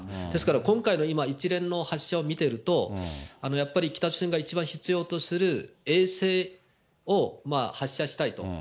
ですから、今回の今、一連の発射を見てると、やっぱり北朝鮮が一番必要とする衛星を発射したいと。